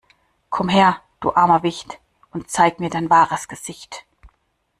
Komm her, du armer Wicht, und zeige mir dein wahres Gesicht!